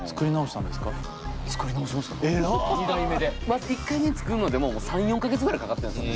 まず１回目作るのでも３４か月ぐらいかかってんですよ。